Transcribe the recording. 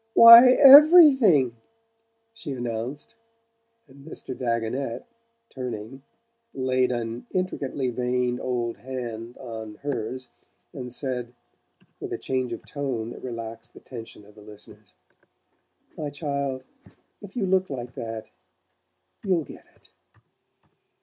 "Why, EVERYTHING!" she announced and Mr. Dagonet, turning, laid an intricately veined old hand on, hers, and said, with a change of tone that relaxed the tension of the listeners: "My child, if you look like that you'll get it."